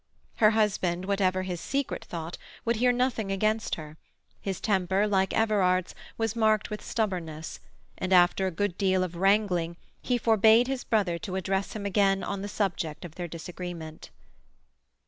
Her husband, whatever his secret thought, would hear nothing against her; his temper, like Everard's, was marked with stubbornness, and after a good deal of wrangling he forbade his brother to address him again on the subject of their disagreement.